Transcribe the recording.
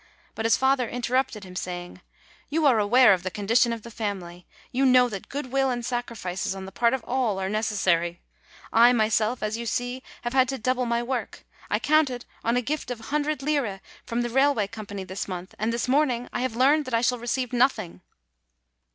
But his father interrupted him, saying: "You are aware of the condition of the family; you know that good will and sacrifices on the part of all are necessary. I myself, as you see, have had to double my work. I counted on a gift of a hundred lire from the railway company this month, and this morning I have learned that I shall receive nothing!"